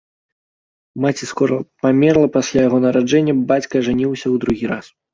Маці скора памерла пасля яго нараджэння, бацька ажаніўся ў другі раз.